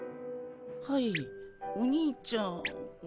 はいお兄ちゃん？